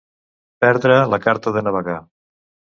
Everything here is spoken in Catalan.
Perdre la carta de navegar.